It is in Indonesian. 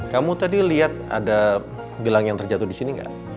kamu tadi lihat ada gelang yang terjatuh disini gak